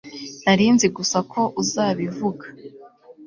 nari nzi gusa ko uzabivuga